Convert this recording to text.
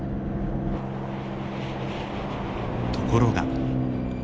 ところが。